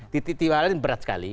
titik titik awal ini berat sekali